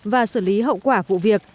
và xử lý hậu quả vụ việc